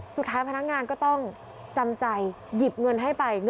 พนักงานก็ต้องจำใจหยิบเงินให้ไป